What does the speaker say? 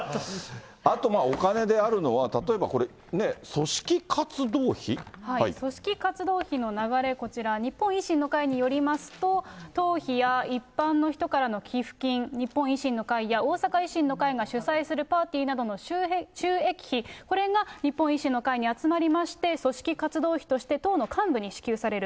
あとまあ、お金であるのは、例え組織活動費の流れ、こちら、日本維新の会によりますと、党費や一般の人からの寄付金、日本維新の会や、大阪維新の会が主催するパーティーなどの収益費、これが日本維新の会に集まりまして、組織活動費として、党の幹部に支給される。